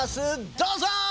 どうぞ！